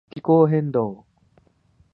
気候変動